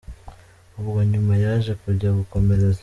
ubwo nyuma Yaje kujya gukomereza.